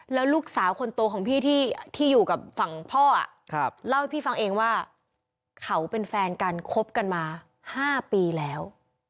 แล้วลูกสาวคนโตของพี่ที่อยู่กับฝั่งพ่อเล่าให้พี่ฟังเองว่าเขาเป็นแฟนกันคบกันมา๕ปีแล้ว